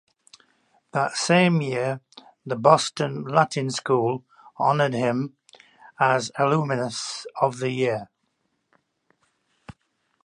That same year, the Boston Latin School honored him as alumnus of the year.